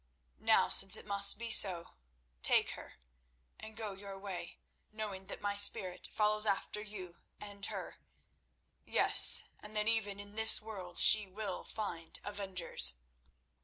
Now, since it must be so, take her and go your way, knowing that my spirit follows after you and her; yes, and that even in this world she will find avengers."